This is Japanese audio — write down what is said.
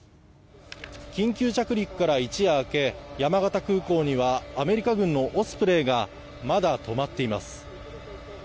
緊急着陸から一夜明け山形空港にはアメリカ軍のオスプレイがまだ止まっています。